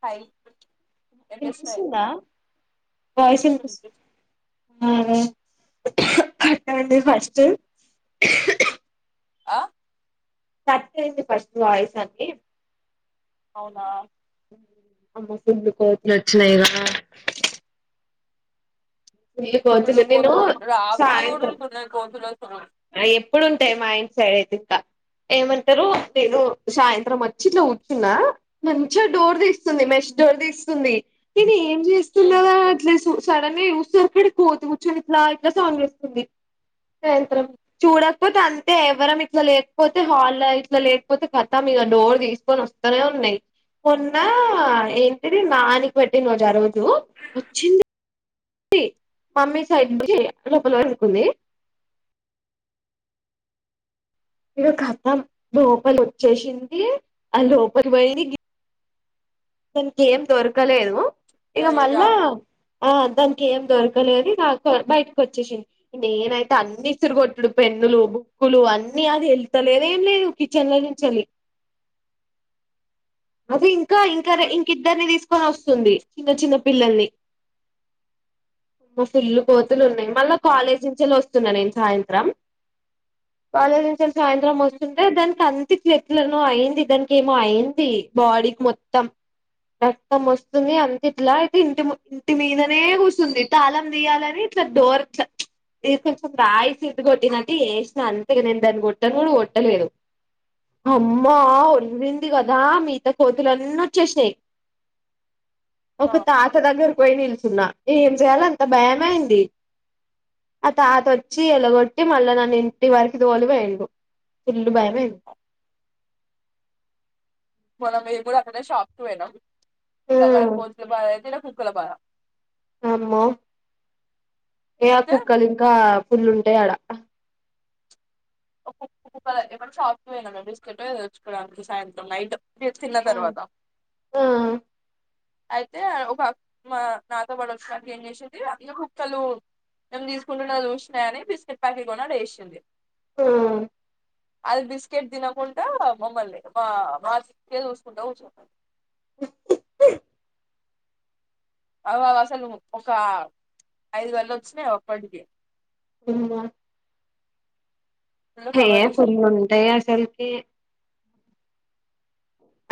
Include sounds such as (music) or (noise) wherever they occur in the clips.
హ వినిపిస్తుందా నా వాయిస్ వినిపిస్తుంది విని వినిపిస్తుంది కట్ అయింది ఫస్ట్ ఆ కట్ అయింది ఫస్ట్ వాయిస్ అండి అవునా అమ్మో ఫుల్ కోతులు వచ్చినాయిరా ఫుల్లు వెళ్ళిపోతుంది నేను కోతులు ఉంటు రాత్రి కూడా సాయంత్రం ఉంటున్నాయి కోతులు అసలు ఆ (unintelligible) ఎప్పుడు ఉంటయి మా ఇంటి సైడ్ అయితే ఇట్టా ఏమంటారు నేను సాయంత్రం వచ్చి ఇట్లా కూచున్నా మంచిగా డోర్ తీస్తుంది మెష్ డోర్ తీస్తుంది నేను ఏం చేస్తుంన్నదా అట్లే సడన్ తూర్పు దిక్కున కూర్చొని ఇట్లా ఇట్లా సాంగ్ వస్తుంది సాయంత్రం చూడ కాకపోతే అంతే ఎవరం ఇట్లా లేకపోతే హాల్ ఇట్లా లేకపోతే కథం ఇక డోర్ తీసుకొని వస్తనే ఉన్నాయి మొన్న ఏంటిది నానికి బట్టి రోజు వచ్చింది మమ్మీ సైడ్ ను లోపల అనుకుంది మీరు (unintelligible) లోపల వచ్చేసింది ఆ లోపల పోయి దానికి ఏం దొరకలేదు ఇక అయ్యా మళ్ళా ఆ దానికి ఏం దొరకలేదు ఆ సరే బయటికి వచ్చేసింది నేనైతే అన్ని ఇసురిగొట్డుడు పెన్నులు బుక్కులు అన్ని అది వెళ్తలేద ఏం లేదు కిచెన్ (inaudible) అది ఇంకా ఇంకా ఇంక ఇద్దరినీ తీసుకొని వస్తు ఉంది చిన్న చిన్న పిల్లల్ని ఫుల్లు కోతులు ఉన్నాయి మళ్ళా కాలేజ్ నుంచి వెళ్ళి వస్తున్నా నేను సాయంత్రం కాలేజ్ సాయంత్రం వస్తుంటే దానికి అంత చేతులను అయింది దానికి ఏమో అయింది బాడీకి మొత్తం రక్తం వస్తుంది అంతే ఇట్లా అయితే ఇంటి ఇంటి మీదనే కూర్స్తుంది తాళం తీయాలని ఇట్లా డోర్ ఇట్లా మీది కొంచెం రాయిసిద్దు కొట్టినట్టు వేసినా అంతక నేను దాన్ని కొట్టను కూడా కొట్టలేదు అమ్మ వదిలింది కదా మిగత కోతులన్న వచ్చేసినాయి ఒక తాత దగ్గర పోయి నిలుచున్నా ఏం చేయాల అంత భయమే అయింది ఆ తాత వచ్చి ఎలగొట్టి మళ్ళా నన్ను ఇంటి వరకి తోలి వేయండు ఫుల్ భయమైంది మనం మేము కూడా అక్కడ షాప్ కు పోయినాం మీక అక్కడ కోతుల బాధ అయితే నాకు కుక్కల బాద అమ్మో ఏ ఆ అయితే కుక్కలు ఇంకా ఫుల్లుంటాయి ఆడ కు కు ఎక్కషాప్ పో బిస్కెట్ ఏదో తె చ్చుకోవడానికి సాయంత్రం నైట్ తిన్న ఉమ్ తర్వాత హ్మ్మ్ అయితే ఒక మా నాతో పాటు ఒక స్వాతి ఏం చేసేది అందు కుక్కలు మేము తీసుకుంటున్న చూసినాయని బిస్కెట్ ప్యాకెట్ కూడా వేసింది హ్మ్మ్ అది బిస్కెట్ తినకుండా మమ్మల్ని మా ఫేస్ చూసుకుంటా కూర్చుంటడి అ అసలు ఒక ఐదు వలు వచ్చినాయి ఒక్కటి కి ఉంద ఫుల్ హే కవర్ వేసి ఫుల్ వచ్చినాయి ఉంటాయి అసలుకి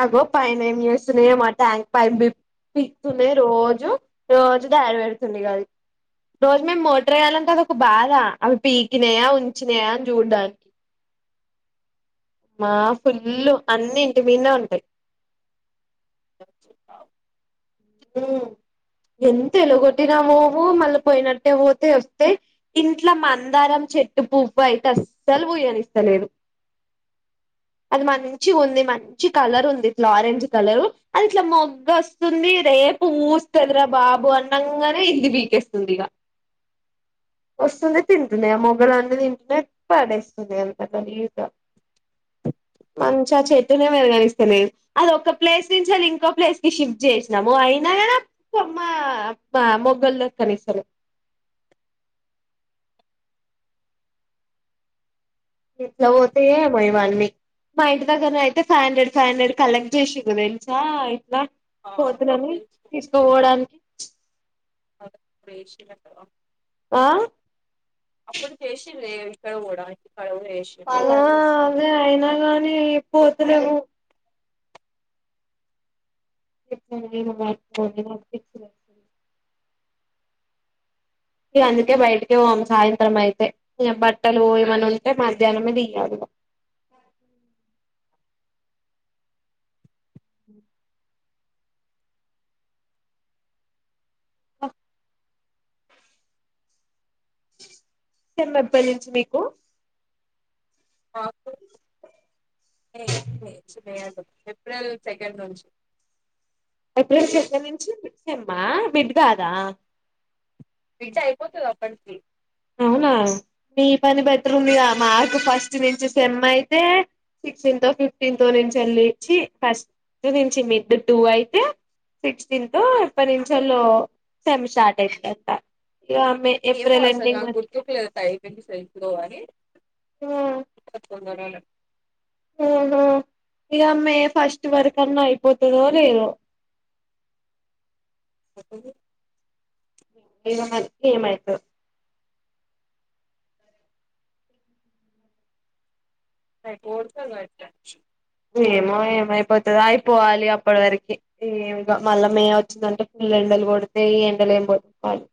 అగో పైన ఏమి చేస్తున్నాయో మా ట్యాంక్ పైనా పిక్తుంది రోజు రోజు దాడి పెడుతుంది కాదు రోజు మేము మోటర్ వేయ్యాలంటే అదొ ఒక బాధ అవి పీకినాయా ఉంచినాయా అని చూడ్డానికి మా ఫుల్లు అన్నీ ఇంటి మీదే ఉంటాయి సీ ఎంత ఎలుగొట్టినా మోము మళ్ళీ పోయినట్టే పోతే వస్తే ఇంట్లో మా అందారం చెట్టు పూఫ అయితే అస్సలు పూయని ఇస్తలేదు అది మంచి ఉంది మంచి కలర్ ఉంది ఇట్లా ఆరెంజ్ కలరు అది ఇట్లా మొగ్గ వస్తుంది సేపు మూస్తదరా బాబు అన్నగానే ఇది పీకేస్తుంది ఇక వస్తుంది తింటున్నా ఆ మొగలన్నీ తింటున్నాయి పడేస్తుంది అందుకదా గా మంచిగా ఆ చెట్టునే పెరుగనిస్తలేరు అది ఒక ప్లేస్ నుంచి అది ఇంకో ప్లేస్ క షిఫ్ట్ జేసి నమో అయినా గానీ ఆ కొమ్మ మొగ్గలు దొర్కనిస్తలే ఎట్ల పోతయో ఏమో ఇవన్నీ మా ఇంటి దగ్గర అయితే five hundred five hundred collect చేసిండు తెలుసా పోతునని తీసుకోపోవడానికి అేష్ ఆ ఇక్కడ కూడాయి అలా అదే అయినా గానీ పోతలేవు (unintelligible) ఇ అందుకే బయటకి పోం సాయంత్రం అయితే బట్టలు ఏమన్నా ఉంటే మధ్యాహ్నం మే తీయాలి ఇక అ సేమ్ ఎప్పటి నుంచి మీకు మాకు మే మే నుంచ్ ఏప్రిల్ సెకండ్ నుంచి ఏప్రిల్ సెకండ్ నుంచి సేమ్ హా మిడ్ కాదా ఐపోతది అప్పటికి అవునా నీ పని బెటర్ ఉందిద మాకు ఫస్ట్ నుంచి సెమ్ అయితే సిక్స్టీన్ తో ఫిఫ్టీన్ తో నుంచి వెళ్లి చ్చీ ఫస్ట్ నుంచి మిడ్ టూ అయితే సిక్స్టీన్ తో ఎప్పటి నుంచెల్లో సెమ్ స్టార్ట్ అయితదట ఇగా మే ఏప్రిల్ నా ఎండింగ్ వరకి గుర్తుకు లేక (unintelligible) కోవాలి గడాల ఆహ ఇగా మే ఫస్ట్ వరక అన్నా అయిపోతదో లేదో ఎప్పుడూ ఏ ఏమయితదో అ కోర్త గ ఏమో ఏమయిపోతుంది అయిపోవాలి అప్పటి వరకి ఏమి ఇగ మళ్ళ మే వచ్చందంటే ఫుల్ం ఎండల కొడుతాయి ఈ ఎండల ఏం పో పాడు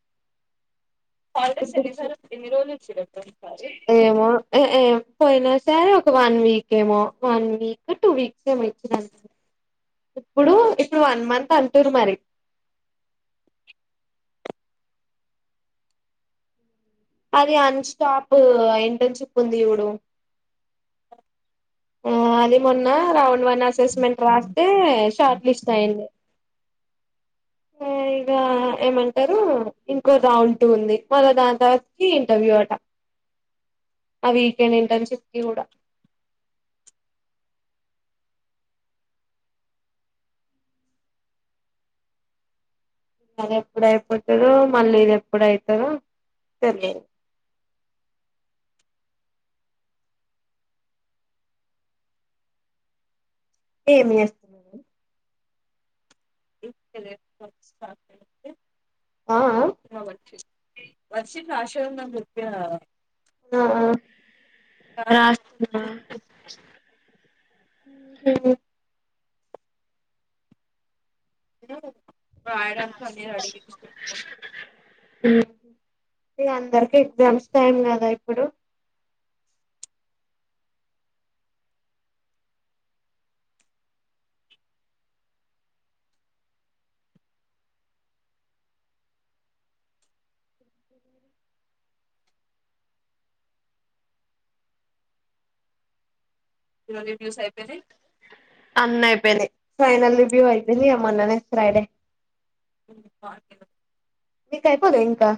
హాలిడేస్ ఎన్ని సార్లు ఎన్ని రోజులు ఈచిండ్లు అక్క ఈసారి ఏమో ఏ ఏ పోయినా ఇచ్చినారు ఒక వన్ వీక్ ఏమో వన్ వీక్ టూ వీక్స్ ఏమో ఇచ్చినారు ఇప్పుడు ఇప్పుడు వన్ మంత్ అంటుారు మరి అది అన్ స్టాప్ ఇంటర్న్షిప్ ఉంది చూడు ఆ అది మొన్న రౌండ్ వన్ అసెస్మెంట్ రాస్తే షార్ట్ లిస్ట్ అయ్యింది ఇగా ఏమంటారు ఇంకో రౌండ్ టు ఉంది మళ్ళ దాని తర్వాత కి ఇంటర్వ్యూ అట ఆ వీకెండిండ్ ఇంటన్స్టిప్ కూడా మరి ఎప్పుడు అయిపోతాదో మళ్ళీ ఇది ఎప్పుడు అయితాదో తెలియదు ఏమి చేస్తున్నారు బబ ఆ (inaudible) వర్షి ఆశయం న నృప ఆ ఆ హ (unintelligible) అందరికి ఎగ్జామ్స్ టైం కదా ఇప్పుడు మీ రివ్యూస్ అయిపోయి (unintelligible) అన్న ఇయిపోనే ఫైనల్ బి అయితేని అమ్మననే ఫ్రైడే కే మీకు అయిపోద ఇంకా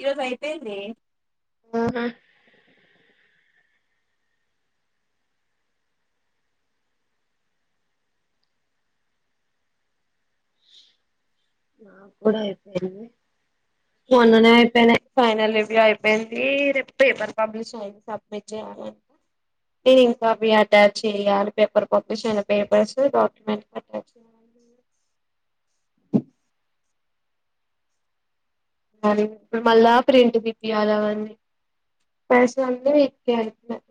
ఇరోజు ఐపోయింది నా కూడ ఐపోయింది మొన్ననే అయిపోయినాయి ఫైనల్ రివ్యూ అయిపోయింది రేపు పేపర్ పబ్లిష్ అయింది సబ్మిట్ చేయాలంట (unintelligible) మరి ఇప్పుడు మళ్ళా ప్రెంట్ తీపియాలి అవన్నీ (unintelligible)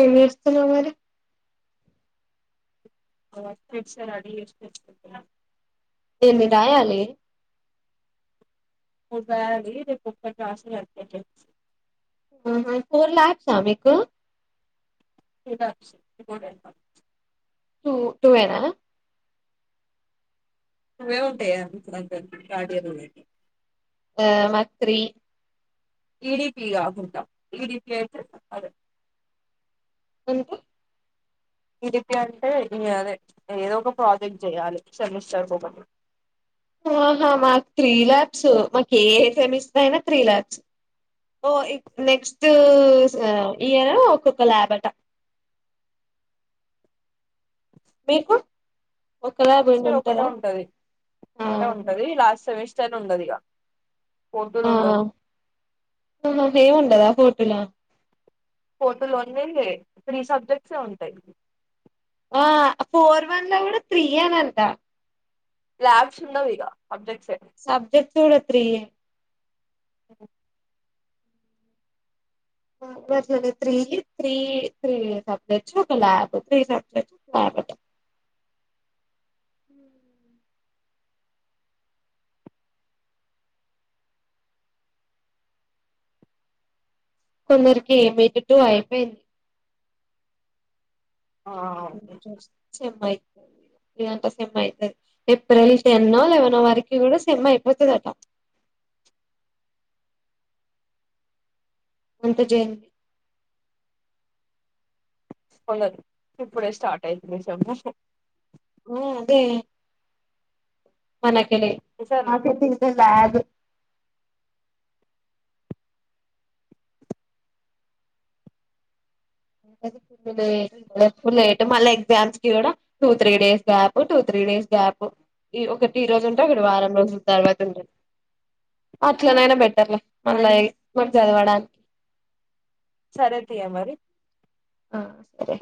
ఎం చేస్తున్నావ్ మరి (unintelligible) ఎన్ని రాయాలి (unintelligible) ఫోర్ ల్యాక్స్ ఆ మీకు ఏట టూ టూయేన వే ఉంటాయా (unintelligible) ఆ మకీ త్రి ఇడిపి ఆగుంటా ఇడిపి అతే అద ఇకా ఇక అంటే అదే ఏదో ఒక ప్రాజెక్ట్ చెయాలి సెమిస్టర్ ఒకటి ఆహా మాకు త్రీ ల్యాబ్స్ మాకు ఏ ఏ సమిస్తు అయినా త్రీ ల్యాబ్స్ ఓ నెక్స్ట్ ఇయర్ ఒక్కొక్క ల్యాబ్ అంట మీకు ఒక ల్యాబ్ ఏమి ఒకటే ఉంటదా ఉంటది ఆ ఒకటే ఉంటది లాస్ట్ సెమిస్టర్ ఉండది ఇక ఫోర్తులు ఆ ఉండదు హేముండదా బోర్డు ల ఫోటులోనే త్రీ సబ్జెక్ట్సే ఉంటాయి ఆ ఫోర్ వన్ లో కూడ త్రీ అన అంత ల్యాబ్స్ ఉండవ్ ఇక సబ్జెక్ట్స్ అ చూడు త్రీ అఓ (unintelligible) కొందరికి మిడ్ టు అయిపోయింది ఆ చె మయి ఇదంతా సమ్మ అవుతుంది ఏప్రిల్ టెన్ో లెవెన్ వరకు కూడా సమ్ అయిపోతుందట అంత జయన్వి. కొందర్ ఇప్పుడే స్టార్ట్ అయితుంది సెమ్ము ఊ అదే. మనకె లె సరే మా కైతే ఇంకా ల్యాగ్ లే ఎప్పుడు లేట్ మళ్ళా ఎగ్జామ్స్ కి గూడా two three days gap, two three. Three days gap ఈ ఒకటి ఈ రోజుంటే, ఒకటి వారం రోజుల్ తర్వాత ఉండది. అట్లనైనా బెట్టర్లే మల్లా (unintelligible) చదవడానికి. సరేతీయా మరి. ఆ సరే.